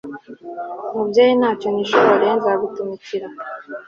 mubyeyi, ntacyo nishoboreye, nzagutumikira